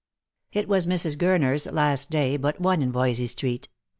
It was Mrs. Gurner' s last day but one in Voysey street.